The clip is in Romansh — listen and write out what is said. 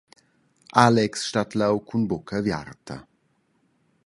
Alex stat leu cun bucca aviarta.